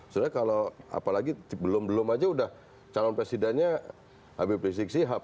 sebenarnya kalau apalagi belum belum aja udah calon presidennya habib rizik sihab